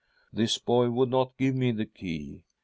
This boy would not give me the key.